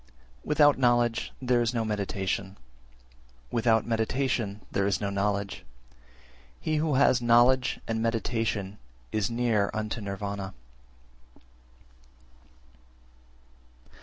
372. Without knowledge there is no meditation, without meditation there is no knowledge: he who has knowledge and meditation is near unto Nirvana.